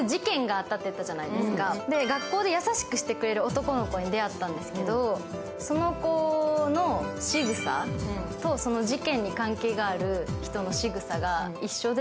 学校で優しくしてくれる男の子に出会ったんですけど、その子のしぐさと事件が関係ある人のしぐさが一緒で。